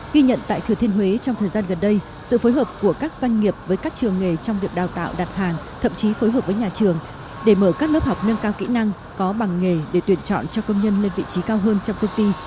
ghi nhận tại thừa thiên huế trong thời gian gần đây sự phối hợp của các doanh nghiệp với các trường nghề trong việc đào tạo đặt hàng thậm chí phối hợp với nhà trường để mở các lớp học nâng cao kỹ năng có bằng nghề để tuyển chọn cho công nhân lên vị trí cao hơn trong công ty